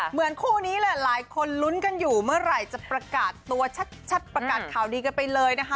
เหมือนคู่นี้แหละหลายคนลุ้นกันอยู่เมื่อไหร่จะประกาศตัวชัดประกาศข่าวดีกันไปเลยนะคะ